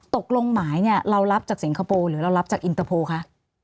กฎหมายเนี่ยเรารับจากสิงคโปร์หรือเรารับจากอินเตอร์โพลคะ